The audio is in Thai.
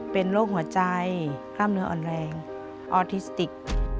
เป็นโรคหัวใจกล้ามเนื้ออ่อนแรงออทิสติก